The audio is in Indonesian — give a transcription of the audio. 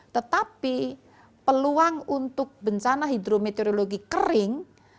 tetapi peluang untuk bencana hidrometeorologi kering